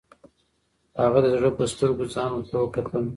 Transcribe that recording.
هغه د زړه په سترګو ځان ته وکتل.